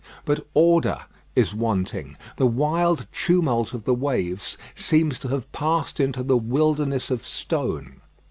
But order is wanting. The wild tumult of the waves seems to have passed into the wilderness of stone.